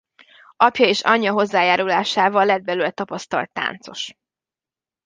Apja és anyja hozzájárulásával lett belőle tapasztalt táncos.